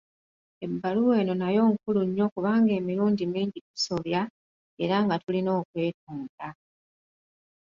Ebbaluwa eno nayo nkulu nnyo kubanga emirundi mingi tusobya, era nga tulIna okwetonda!